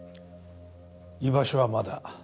居場所はまだ。